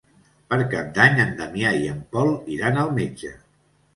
Per Cap d'Any en Damià i en Pol iran al metge.